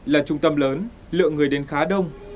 là trung tâm lớn lượng người đến khá đông